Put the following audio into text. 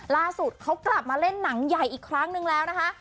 ล่าสุดเขากลับมาเล่นหนังใหญ่อีกครั้งนึงแล้วนะคะ